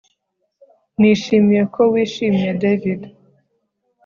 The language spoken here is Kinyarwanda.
Nishimiye ko wishimye David